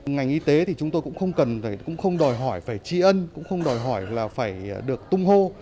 ngành y tế thì chúng tôi cũng không cần cũng không đòi hỏi phải tri ân cũng không đòi hỏi là phải được tung hô